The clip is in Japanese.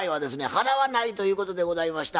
払わないということでございました。